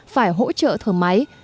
phải hỗ trợ thở máy